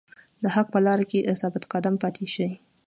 د حق په لاره کې ثابت قدم پاتې شئ.